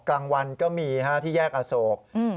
กลางวันก็มีที่แยกอโศก